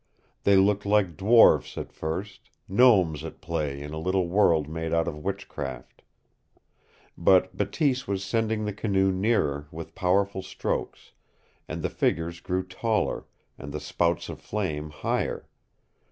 They looked like dwarfs at first, gnomes at play in a little world made out of witchcraft. But Bateese was sending the canoe nearer with powerful strokes, and the figures grew taller, and the spouts of flame higher.